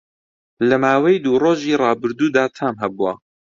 لە ماوەی دوو ڕۆژی ڕابردوودا تام هەبووه